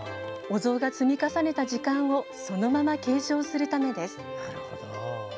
お像が積み重ねた時間をそのまま継承するためです。